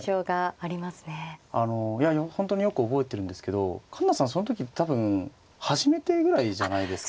あの本当によく覚えてるんですけど環那さんその時多分初めてぐらいじゃないですか？